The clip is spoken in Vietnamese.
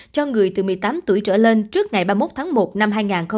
cho người từ một mươi tám tuổi trở lên trước ngày ba mươi một tháng một năm hai nghìn hai mươi